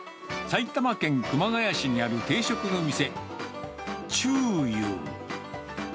埼玉県熊谷市にある定食の店、チュー勇。